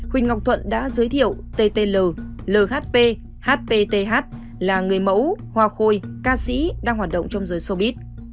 huỳnh ngọc thuận đã giới thiệu ttl lhp hpt là người mẫu hoa khôi ca sĩ đang hoạt động trong giới sobit